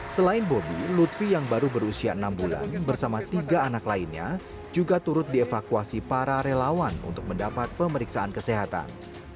selain bobi lutfi yang baru berusia enam bulan bersama tiga anak lainnya juga turut dievakuasi para relawan untuk mendapat pemeriksaan kesehatan